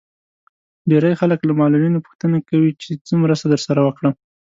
ډېری خلک له معلولينو پوښتنه کوي چې څه مرسته درسره وکړم.